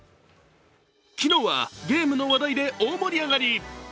昨日はゲームの話題で大盛り上がり。